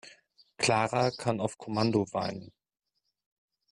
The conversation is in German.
Clara kann auf Kommando weinen.